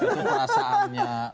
berjuangan ya seolah olah beradabannya